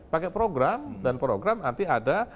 pakai program dan program nanti ada